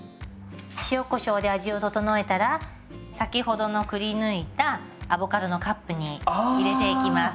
塩こしょうで味を調えたら先ほどのくりぬいたアボカドのカップに入れていきます。